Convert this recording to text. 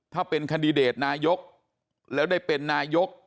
ถ้าเป็นคันดิเดตนายกแล้วได้เป็นนายก